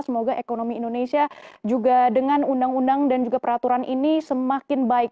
semoga ekonomi indonesia juga dengan undang undang dan juga peraturan ini semakin baik